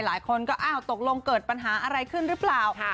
หลายคนก็อ้าวตกลงเกิดปัญหาอะไรขึ้นหรือเปล่า